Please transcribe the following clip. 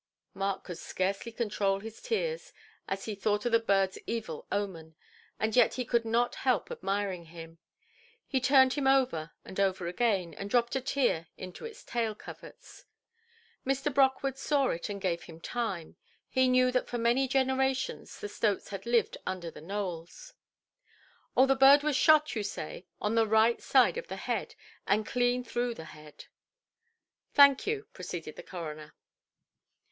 Mark could scarcely control his tears, as he thought of the birdʼs evil omen, and yet he could not help admiring him. He turned him over and over again, and dropped a tear into his tail coverts. Mr. Brockwood saw it and gave him time; he knew that for many generations the Stotes had lived under the Nowells. "Oh, the bird was shot, you say, on the right side of the head, and clean through the head". "Thank you", proceeded the coroner.